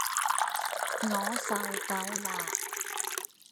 我受夠啦